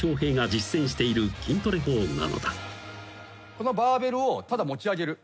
このバーベルをただ持ち上げる。